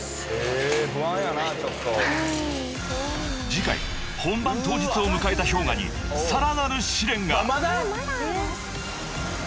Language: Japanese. ［次回本番当日を迎えたＨｙＯｇＡにさらなる試練が！］